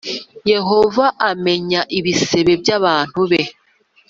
Yehova amenya ibisebe by’abantu be